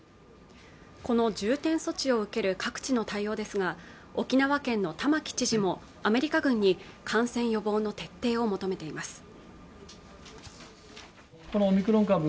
この重点措置を受ける各地の対応ですが沖縄県の玉城知事もアメリカ軍に感染予防の徹底を求めています